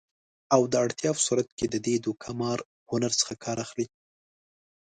او د اړتیا په صورت کې د دې دوکه مار هنر څخه کار اخلي